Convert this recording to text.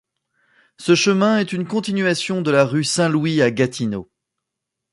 Ce chemin est une continuation de la rue Saint-Louis à Gatineau.